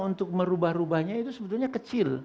untuk merubah rubahnya itu sebetulnya kecil